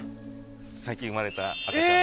最近生まれた赤ちゃん。